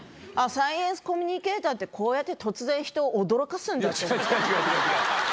あ、サイエンスコミュニケーターって、こうやって突然人を驚かす違う、違う、違う。